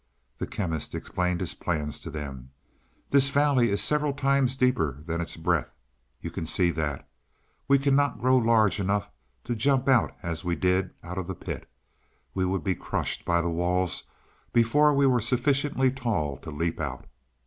The Chemist explained his plans to them. "This valley is several times deeper than its breadth; you can see that. We cannot grow large enough to jump out as we did out of the pit; we would be crushed by the walls before we were sufficiently tall to leap out.